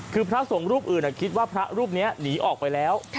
คือพระสงฆ์รูปอื่นคิดว่าพระรูปนี้หนีออกไปแล้ว